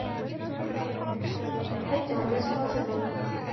حج والناس راجعون